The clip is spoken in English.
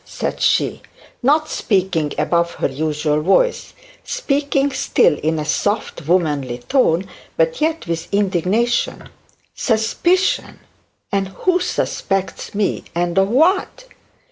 said she, not speaking above her usual voice, speaking still in a soft womanly tone, but yet with indignation; 'suspicion! and who suspects me, and of what?'